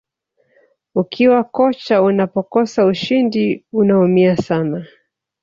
ukiwa kocha unapokosa ushindi unaumia sana